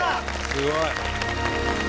すごい。